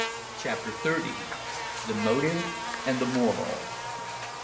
CHAPTER THIRTY. THE MOTIVE AND THE MORAL.